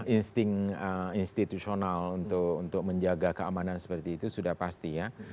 insting institusional untuk menjaga keamanan seperti itu sudah pasti ya